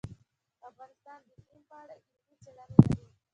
افغانستان د اقلیم په اړه علمي څېړنې لري.